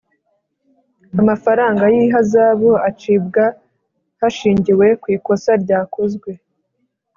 Amafaranga y ihazabu acibwa hashingiwe ku ikosa ryakozwe